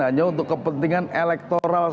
hanya untuk kepentingan elektoral